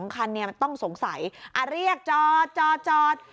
๒คันต้องสงสัยเรียกจอดจอดจอด